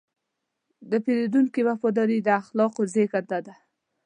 د پیرودونکي وفاداري د اخلاقو زېږنده ده.